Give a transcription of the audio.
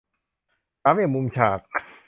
สามเหลี่ยมมุมฉาก